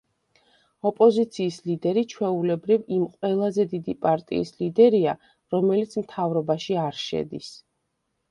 ოპოზიციის ლიდერი ჩვეულებრივ იმ ყველაზე დიდი პარტიის ლიდერია, რომელიც მთავრობაში არ შედის.